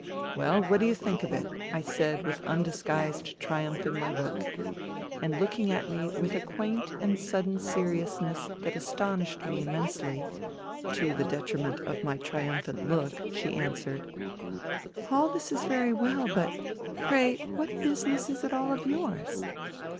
" Well, what d'you think of it !" I said with undisguised triumph in my look. And looking at me with a quaint and sudden seriousness that astonished me immensely (to the detriment of my triumphant look), she answered :" All this is very well, but ... pray what business is it all of yours